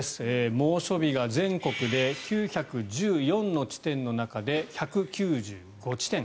猛暑日が全国で９１４の地点の中で１９５地点。